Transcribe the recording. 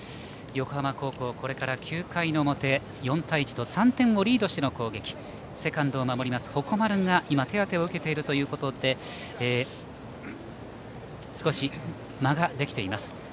横浜高校、これから９回の表４対１と３点をリードしての攻撃セカンドを守る鉾丸が手当てを受けているということで少し間ができています。